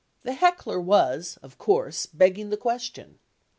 The heckler was, of course, begging the question.